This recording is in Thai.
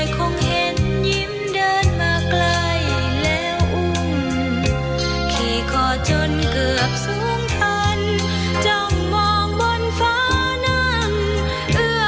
ก็อยู่ในเรือนแย้งร่างใหญ่